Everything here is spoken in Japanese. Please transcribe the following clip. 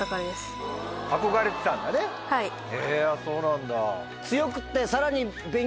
へぇそうなんだ。